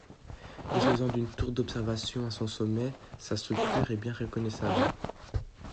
Disposant d'une tour d'observation à son sommet, sa structure est bien reconnaissable.